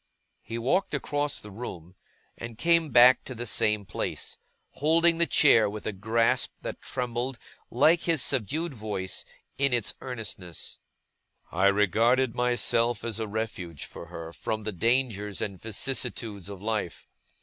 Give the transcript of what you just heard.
He walked across the room, and came back to the same place; holding the chair with a grasp that trembled, like his subdued voice, in its earnestness. 'I regarded myself as a refuge, for her, from the dangers and vicissitudes of life.